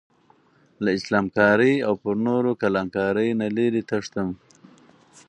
له اسلام کارۍ او پر نورو کلان کارۍ نه لرې تښتم.